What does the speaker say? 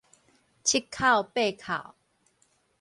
七扣八扣